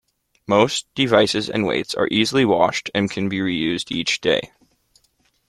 Most devices and weights are easily washed and can be reused each day.